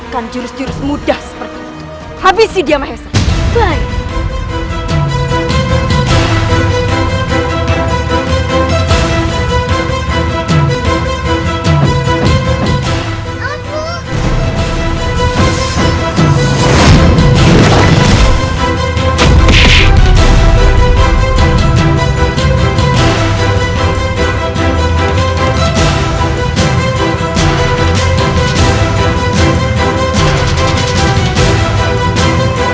kau bisa mengalahkan kami